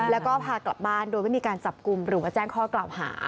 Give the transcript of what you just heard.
แล้วก็พากลับบ้านโดยไม่มีการจับกลุ่มหรือว่าแจ้งข้อกล่าวหา